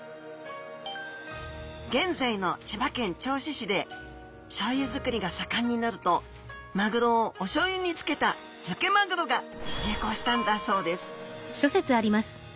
現在の千葉県銚子市でしょうゆづくりが盛んになるとマグロをおしょうゆにつけた漬けマグロが流行したんだそうです